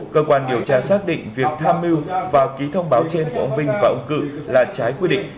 cơ quan điều tra xác định việc tham mưu và ký thông báo trên của ông vinh và ông cự là trái quy định